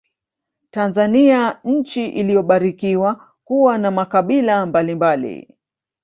Tanzania nchi iliyobarikiwa kuwa na makabila mbalimbali